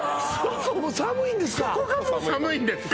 そこがもう寒いんですか？